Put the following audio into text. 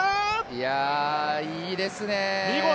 いや、いいですね。